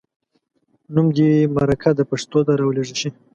نوم دې مرکه د پښتو ته راولیږل شي.